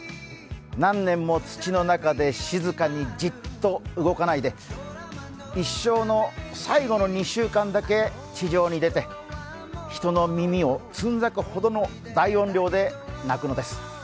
何年も土の中で静かにじっと動かないで一生の最後の２週間だけ地上に出て人の耳をつんざくほどの大音量で鳴くのです。